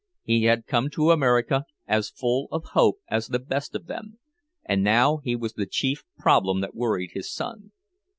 He had come to America as full of hope as the best of them; and now he was the chief problem that worried his son.